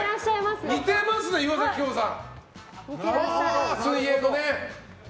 似てますね、岩崎恭子さんに。